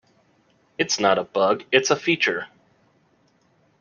It's not a bug, it's a feature!